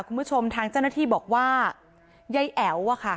คุณผู้ชมทางเจ้าหน้าที่บอกว่ายายแอ๋วอะค่ะ